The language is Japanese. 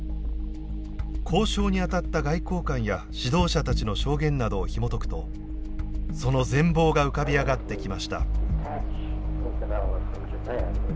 交渉に当たった外交官や指導者たちの証言などをひもとくとその全貌が浮かび上がってきました。